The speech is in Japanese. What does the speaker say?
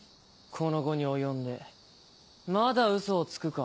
この期に及んでまだウソをつくか。